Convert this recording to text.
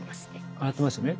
上がってますよね。